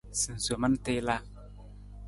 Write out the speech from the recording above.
Sinsoman tiila.